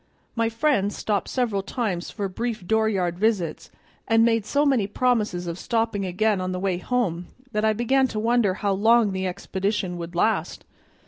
My friends stopped several times for brief dooryard visits, and made so many promises of stopping again on the way home that I began to wonder how long the expedition would last.